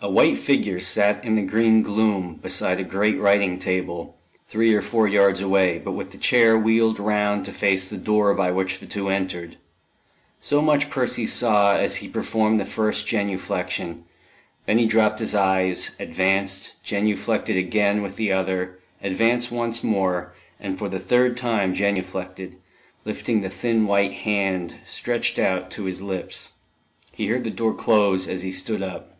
IV A white figure sat in the green gloom, beside a great writing table, three or four yards away, but with the chair wheeled round to face the door by which the two entered. So much Percy saw as he performed the first genuflection. Then he dropped his eyes, advanced, genuflected again with the other, advanced once more, and for the third time genuflected, lifting the thin white hand, stretched out, to his lips. He heard the door close as he stood up.